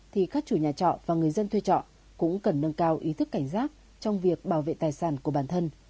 thì các chủ nhà trọ và người dân thuê trọ cũng cần nâng cao ý thức cảnh giác trong việc bảo vệ tài sản của bản thân